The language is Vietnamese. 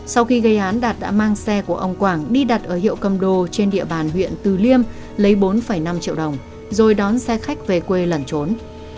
sau khi gây án đạt đã mang xe của ông quảng đi đặt ở hiệu cầm đồ trên địa bàn huyện từ liêm lấy bốn năm triệu đồng rồi đón xe khách về quê lẩn trốn